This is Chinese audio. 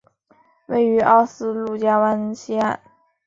位于奥斯陆峡湾西岸。